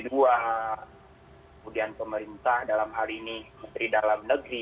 kemudian pemerintah dalam hal ini menteri dalam negeri